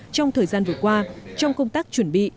trong thời gian vừa qua trong công tác chuẩn bị